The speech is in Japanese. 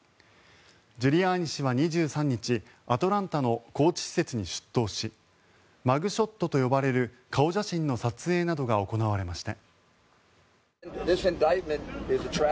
ジュリアーニ氏は２３日アトランタの拘置施設に出頭しマグショットと呼ばれる顔写真の撮影などが行われました。